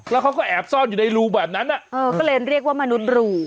แล้วเขาก็แอบซ่อนอยู่ในรูแบบนั้นก็เลยเรียกว่ามนุษย์รู